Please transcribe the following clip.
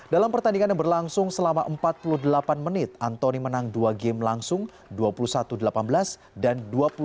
dalam pertandingan yang berlangsung selama empat puluh delapan menit anthony menang dua game langsung dua puluh satu delapan belas dan dua puluh satu delapan belas